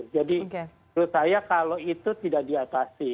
jadi menurut saya kalau itu tidak diatasi